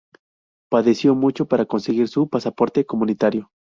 Padeció mucho para conseguir su pasaporte comunitario.